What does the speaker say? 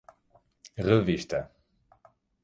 revista